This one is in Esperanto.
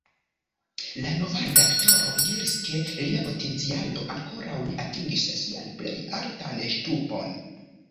La nova redaktoro diris, ke lia potencialo ankoraŭ ne atingis sian plej altan ŝtupon.